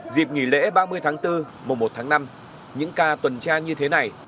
dịp nghỉ lễ ba mươi tháng bốn mùa một tháng năm những ca tuần tra như thế này